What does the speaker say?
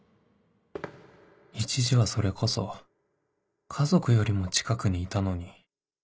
一時はそれこそ家族よりも近くにいたのに